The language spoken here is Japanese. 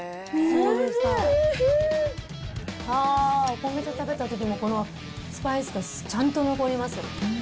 お米と食べたときも、このスパイスがちゃんと残ります。